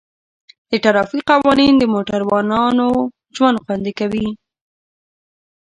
د ټرافیک قوانین د موټروانو ژوند خوندي کوي.